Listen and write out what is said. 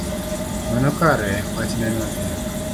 Mano kare wachneno tek